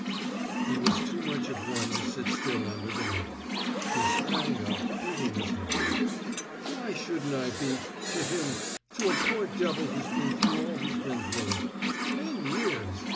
He was too much of one to sit still under the name. He sprang up, beating his hands. "Why shouldn't I be to him to a poor devil who's been through all he's been through? Ten years!